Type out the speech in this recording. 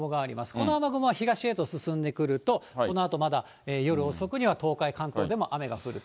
この雨雲は東へと進んでくると、このあとまだ夜遅くには東海、関東でも雨が降ると。